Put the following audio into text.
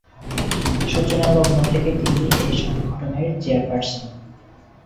সূচনালগ্ন থেকে তিনি এ সংগঠনের চেয়ারপার্সন।